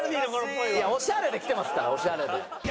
オシャレで来てますからオシャレで。